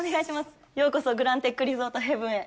ようこそグランテックリゾートヘブンへ。